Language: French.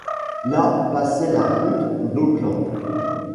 Là passait la route d’Auckland.